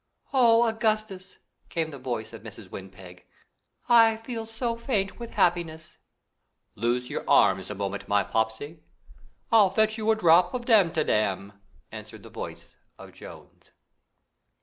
"Oh, Augustus," came the voice of Mrs. Windpeg, "I feel so faint with happiness!" "Loose your arms a moment, my popsy. I'll fetch you a drop of Damtidam!" answered the voice of Jones.